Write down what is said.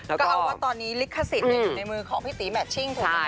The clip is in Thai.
เอาว่าตอนนี้ลิขสิทธิ์เนี่ยในมือของพี่ตีแมทชิ่ง